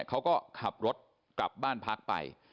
เขาก็ขับรถกลับบ้านพักไป